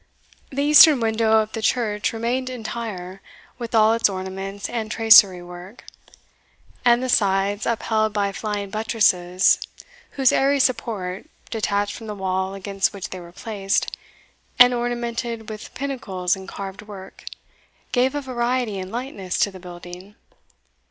The eastern window of the church remained entire, with all its ornaments and tracery work; and the sides, upheld by flying buttresses whose airy support, detached from the wall against which they were placed, and ornamented with pinnacles and carved work, gave a variety and lightness to the building.